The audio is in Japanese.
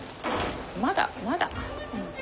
まだまだか。